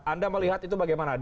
anda melihat itu bagaimana